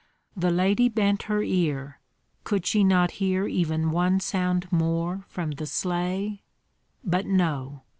The lady bent her ear, could she not hear even one sound more from the sleigh? But no!